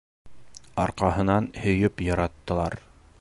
Арҡаһынан һөйөп яраттылар.